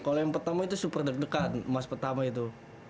kalau yang pertama itu super deg degan emas pertama itu